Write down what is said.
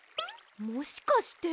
もしかして。